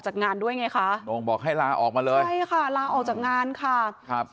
จากงานด้วยได้คะบอกให้ลาออกมาเลยออกมาเลยค่ะถูกลาออกจากงานค่ะครับ